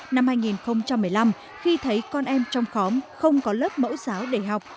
năm hai nghìn một mươi năm khi thấy con em trong khóm không có lớp mẫu giáo để học